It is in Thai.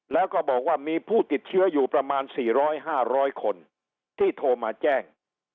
แล้วก็บอกว่ามีผู้ติดเชื้ออยู่ประมาณ๔๐๐๕๐๐คนที่โทรมาแจ้ง